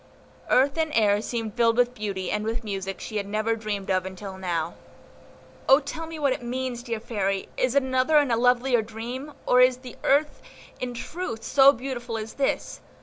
Earth and air seemed filled with beauty and with music she had never dreamed of until now. "O tell me what it means, dear Fairy! is it another and a lovelier dream, or is the earth in truth so beautiful as this?"